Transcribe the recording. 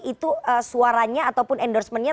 itu suaranya ataupun endorsementnya